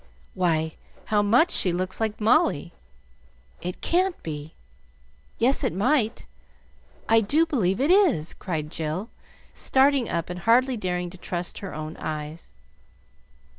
"Why, how much she looks like Molly! It can't be yes, it might, I do believe it is!" cried Jill, starting up and hardly daring to trust her own eyes.